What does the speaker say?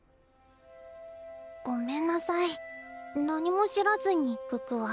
ごめんなさい何も知らずに可可は。